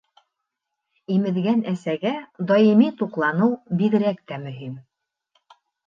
Имеҙгән әсәгә даими туҡланыу бигерәк тә мөһим.